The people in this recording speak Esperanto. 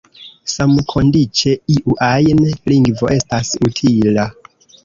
Samkondiĉe iu ajn lingvo estas utila.